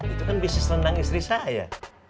itu kan bisnis tentang istri saya